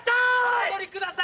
お戻りください！